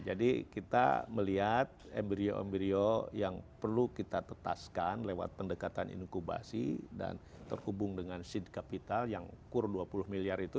jadi kita melihat embryo embryo yang perlu kita tetaskan lewat pendekatan inkubasi dan terhubung dengan seed capital yang kur dua puluh miliar itu